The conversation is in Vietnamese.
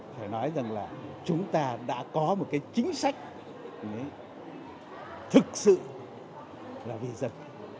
phải nói rằng là chúng ta đã có một cái chính sách thực sự là vì dân